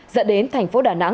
dẫn đến thành phố đà nẵng